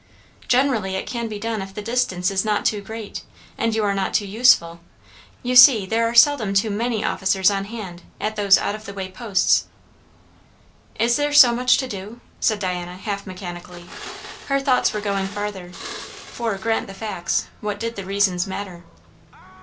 "Generally it can be done if the distance is not too great, and you are not too useful. You see, there are seldom too many officers on hand, at those out of the way posts." "Is there so much to do?" said Diana, half mechanically. Her thoughts were going farther; for grant the facts, what did the reasons matter?